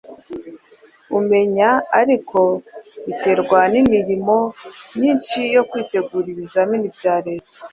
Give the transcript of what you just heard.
Umenya ariko biterwa n’imirimo myinshi yo kwitegura ibizamini bya Leta.